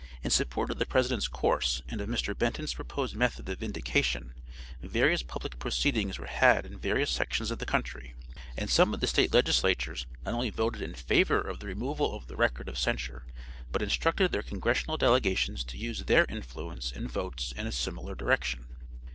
In support of the president's course and of Mr. Benton's proposed method of vindication various public proceedings were had in various sections of the country, and some of the State legislatures not only voted in favor of the removal of the record of censure but instructed their congressional delegations to use their influence and votes in a similar direction.